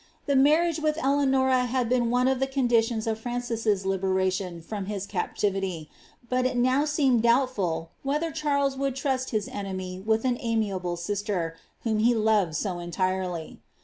The marriage with Eleanora had been one of the conditions of Francises liberation from his captivity, but it now seemed doubtful whether Charles would trust his enemy widi an amiable sifter, whom he loved so entirely.